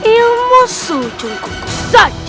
ilmu sujung kuku saja